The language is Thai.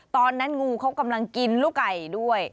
ตอนนั้นงูเขากำลังกินลูกไก่ด้วย